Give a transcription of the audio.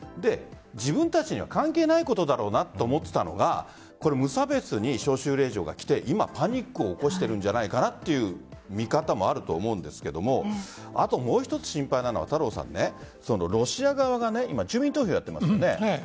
自分たちには関係ないことだろうなと思っていたのが無差別に招集令状がきて、今パニックを起こしているんじゃないかという見方もあると思うんですがもう一つ、心配なのがロシア側が住民投票をやっていますよね。